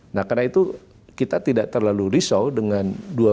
nah karena itu kita tidak terlalu risau dengan dua ribu dua puluh tiga